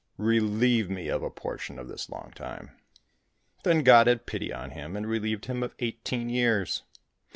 Relieve me of a portion of this long time." Then God had pity on him and relieved him of eighteen years.